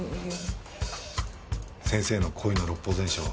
先生の「恋の六法全書」